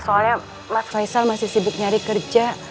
soalnya mas faisal masih sibuk nyari kerja